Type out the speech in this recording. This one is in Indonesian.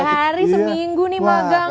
tiga hari seminggu nih magang